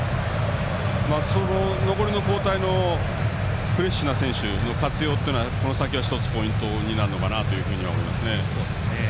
残りの交代のフレッシュな選手の活用がこの先は、１つポイントになるのかなと思いますね。